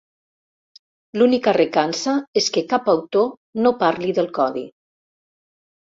L'única recança és que cap autor no parli del codi.